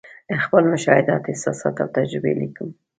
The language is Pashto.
خپل مشاهدات، احساسات او تجربې لیکم.